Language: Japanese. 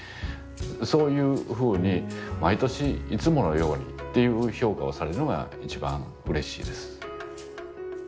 そういうふうに毎年「いつものように」っていう評価をされるのが一番うれしいです。